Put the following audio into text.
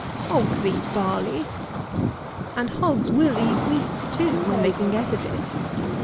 "Hogs eat barley." And hogs will eat wheat, too, when they can get at it.